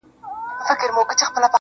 ولي مي هره شېبه هر ساعت په غم نیس~